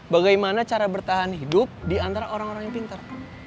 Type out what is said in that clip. bagaimana cara bertahan hidup diantara orang orang yang pintar